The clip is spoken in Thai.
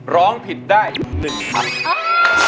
ร้องผิดได้๑คำ